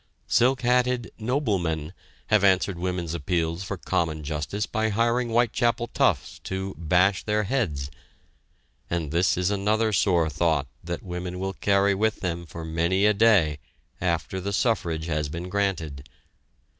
Silk hatted "noblemen" have answered women's appeals for common justice by hiring the Whitechapel toughs to "bash their heads," and this is another sore thought that women will carry with them for many a day after the suffrage has been granted.